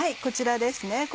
こちらですね。